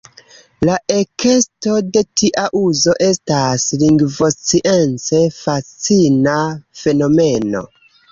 La ekesto de tia uzo estas lingvoscience fascina fenomeno.